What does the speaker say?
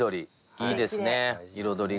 いいですね彩りが。